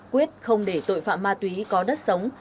quyết không để tội phạm ma túy có đất sống